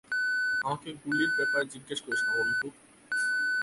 আমাকে গুলির ব্যাপারে জিজ্ঞেস করিস না, বন্ধু।